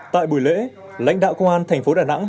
tại buổi lễ lãnh đạo công an tp đà nẵng